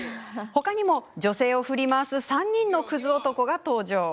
他にも女性を振り回す３人のクズ男が登場。